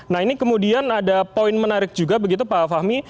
nah ini kemudian ada poin menarik juga begitu pak fahmi